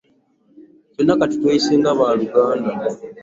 Ffenna kati tweyise nga baaluganda.